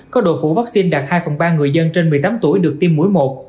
có độ phủ vaccine đạt hai phần ba người dân trên một mươi tám tuổi được tiêm mũi một